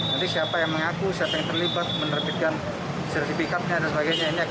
nanti siapa yang mengaku siapa yang terlibat menerbitkan sertifikatnya dan sebagainya